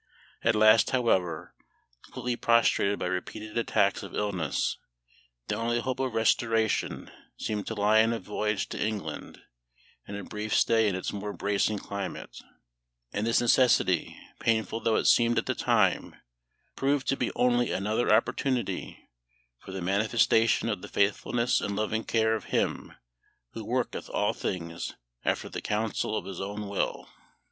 At last, however, completely prostrated by repeated attacks of illness, the only hope of restoration seemed to lie in a voyage to England and a brief stay in its more bracing climate; and this necessity, painful though it seemed at the time, proved to be only another opportunity for the manifestation of the faithfulness and loving care of Him "who worketh all things after the counsel of His own will."